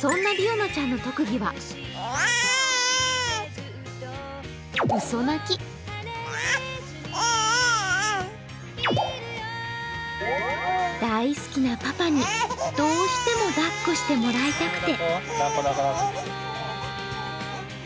そんなリオナちゃんの特技は大好きなパパに、どうしても抱っこしてもらいたくて。